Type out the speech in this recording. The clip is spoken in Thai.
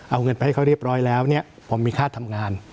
เอาเงินไปให้เขาเรียบร้อยแล้วเนี่ยผมมีค่าทำงาน